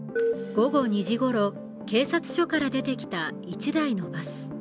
午後２時ごろ、警察署から出てきた１台のバス。